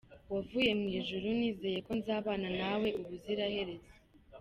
Wavuye mu ijuru, nizeye ko nzabana na we ubuziraherezo.